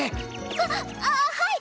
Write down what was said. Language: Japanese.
ああはい！